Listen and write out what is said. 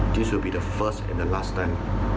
นี่จะเป็นครั้งแรกและครั้งสุดท้าย